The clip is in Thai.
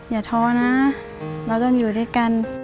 อย่าท้อนะเราต้องอยู่ด้วยกัน